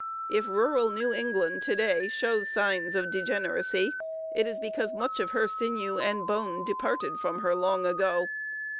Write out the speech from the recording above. If rural New England to day shows signs of degeneracy, it is because much of her sinew and bone departed from her long ago.